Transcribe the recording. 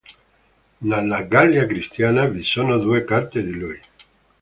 Nella "Gallia christiana" vi sono due carte di lui.